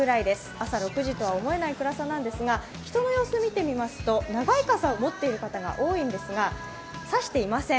朝６時とは思えない暗さなんですが、人の様子見てみますと長い傘を持っている方が多いんですが、差していません。